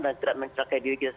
dan tidak mencelakai diri kita